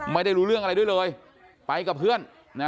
ไม่ได้รู้เรื่องอะไรด้วยเลยไปกับเพื่อน